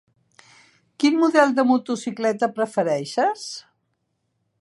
Quin model de motocicleta prefereixes?